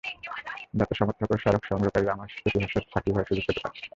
যাতে সমর্থক এবং স্মারক সংগ্রহকারীরা আমার ইতিহাসের সাক্ষী হওয়ার সুযোগ পেতে পারে।